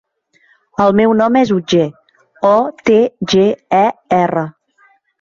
El meu nom és Otger: o, te, ge, e, erra.